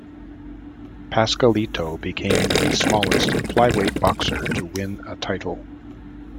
Pascualito became the smallest flyweight boxer to win a title.